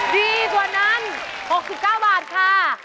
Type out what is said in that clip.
ดีกว่านั้น๖๙บาทค่ะ